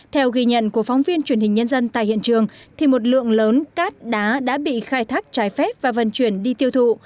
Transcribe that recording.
theo ghi nhận của phóng viên truyền hình nhân dân tại hiện trường một lượng lớn cát đá đã bị khai thác trái phép và vận chuyển đi tiêu thụ